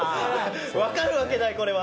わかるわけないこれは。